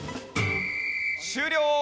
終了！